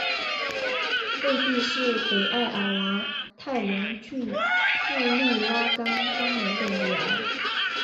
贝蒂是北爱尔兰泰隆郡杜利拉冈庄园的女儿。